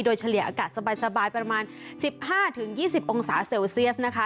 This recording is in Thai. โดยเฉลี่ยอากาศสบายประมาณ๑๕๒๐องศาเซลเซียสนะคะ